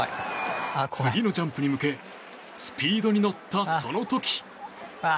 次のジャンプに向けスピードに乗った、その時。